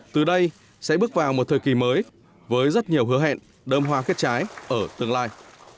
từ đây sẽ bước vào một thời kỳ mới với rất nhiều hứa hẹn đơm hoa kết trái ở tương lai